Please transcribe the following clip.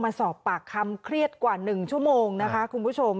มาสอบปากคำเครียดกว่า๑ชั่วโมงนะคะคุณผู้ชม